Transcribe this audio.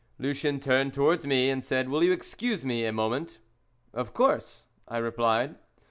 Lucien turned towards me, and said: "Will you excuse me a moment?" "Of course;" I replied.